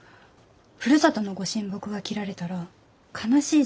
ふるさとの御神木が切られたら悲しいじゃない。